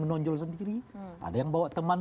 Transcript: menonjol sendiri ada yang bawa teman